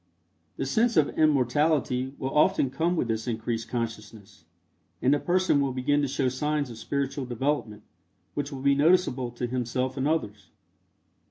The sense of immortality will often come with this increased consciousness, and the person will begin to show signs of spiritual development which will be noticeable to himself and others.